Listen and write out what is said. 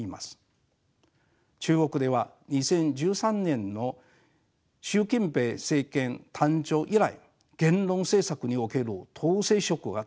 中国では２０１３年の習近平政権誕生以来言論政策における統制色が強まってきました。